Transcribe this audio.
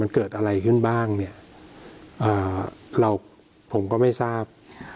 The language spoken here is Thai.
มันเกิดอะไรขึ้นบ้างเนี่ยเราผมก็ไม่ทราบ